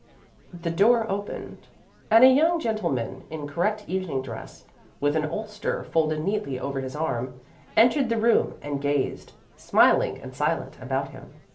The door opened and a young gentleman in correct evening dress, with an ulster folded neatly over his arm, entered the room and gazed, smiling and silent, about him.